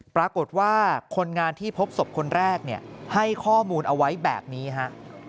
ปรากฏว่าคนงานที่พบศพคนแรกเนี่ยให้ข้อมูลเอาไว้แบบนี้ฮะ